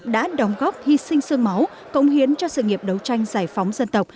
đã đóng góp hy sinh sương máu cống hiến cho sự nghiệp đấu tranh giải phóng dân tộc